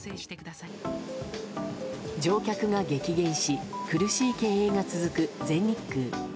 乗客が激減し苦しい経営が続く全日空。